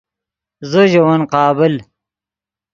زو ژے ون قابل